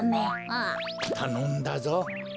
たのんだぞ。